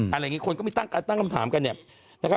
อะไรอย่างนี้คนก็มีตั้งคำถามกัน